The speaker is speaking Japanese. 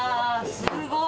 すごい。